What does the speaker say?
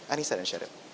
aniesa dan syarif